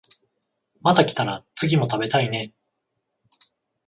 また来たら次も食べたいね